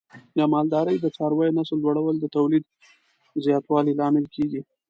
د مالدارۍ د څارویو نسل لوړول د تولید زیاتوالي لامل کېږي.